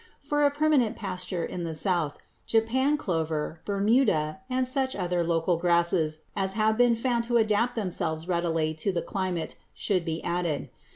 For a permanent pasture in the South, Japan clover, Bermuda, and such other local grasses as have been found to adapt themselves readily to the climate should be added.